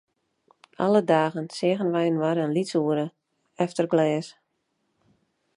Alle dagen seagen wy inoar in lyts oere, efter glês.